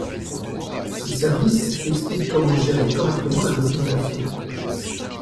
Ce service explique comment gérer correctement la documentation.